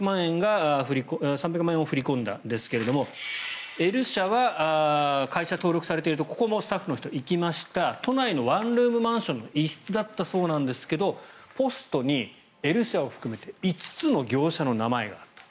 Ｌ社は３００万円を振り込んだんですがＬ社は会社登録されているところここもスタッフの人、行きました都内のワンルームマンションの一室だったそうですがポストにＬ社を含めて５つの業者の名前があった。